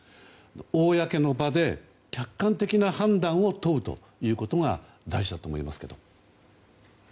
公の場で客観的な判断を問うということが大事だと思いますけど。